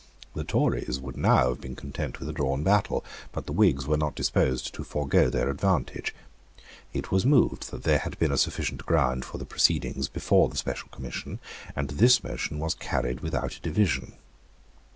The Tories would now have been content with a drawn battle; but the Whigs were not disposed to forego their advantage. It was moved that there had been a sufficient ground for the proceedings before the Special Commission; and this motion was carried without a division.